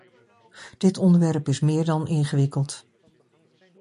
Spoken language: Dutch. Dit onderwerp is meer dan ingewikkeld.